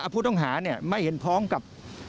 ผู้ต้องหาไม่เห็นพ้องกับ